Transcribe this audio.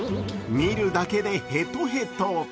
見るだけでヘトヘト。